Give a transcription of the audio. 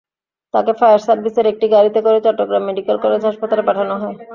তাঁকে ফায়ার সার্ভিসের একটি গাড়িতে করে চট্টগ্রাম মেডিকেল কলেজ হাসপাতালে পাঠানো হয়।